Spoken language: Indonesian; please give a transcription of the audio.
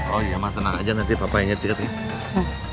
oh iya mah tenang aja nanti papa yang nyetir tuh ya